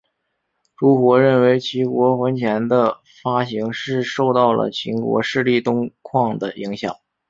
朱活认为齐国圜钱的发行是受到了秦国势力东扩的影响。